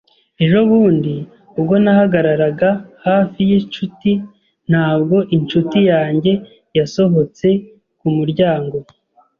Ejo bundi, ubwo nahagararaga hafi yinshuti, ntabwo inshuti yanjye yasohotse kumuryango,